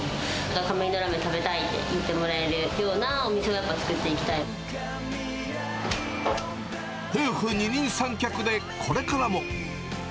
かめ囲のラーメン食べたいって言ってもらえるようなお店をや夫婦二人三脚でこれからも。